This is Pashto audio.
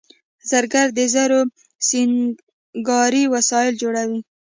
زرګر د زرو سینګاري وسایل جوړوي